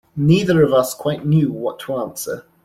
Neither of us quite knew what to answer.